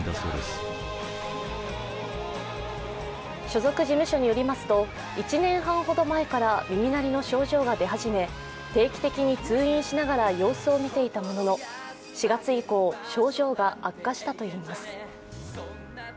所属事務所によりますと１年半ほど前から耳鳴りの症状が出始め、定期的に通院しながら様子を見ていたものの、４月以降、症状が悪化したといいます。